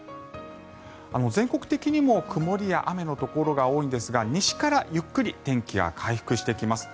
全国的にも曇りや雨のところが多いんですが西からゆっくり天気が回復してきます。